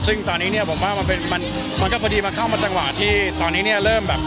ซึ่งตอนนี้เนี่ยผมว่ามันเป็นมันก็พอดีมันเข้ามาจังหวะที่ตอนนี้เนี่ยเริ่มแบบ